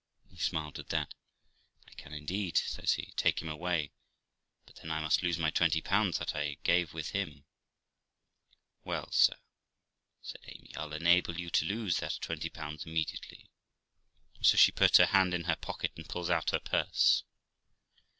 He smiled at that. 'I can, indeed', says he; 'take him away, but then I must lose my 20 that I gave with him.' ' Well, sir ', said Amy, ' I'll enable you to lose that 20 immediately '; and so she put her hand in her pocket, and pulls out her purse.